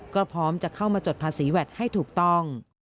ก็พร้อมจะเข้ามาจดภาษีแวดให้ถูกต้อง